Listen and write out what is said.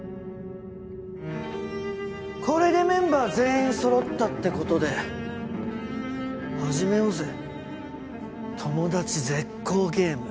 これでメンバー全員そろったって事で始めようぜトモダチ絶交ゲーム。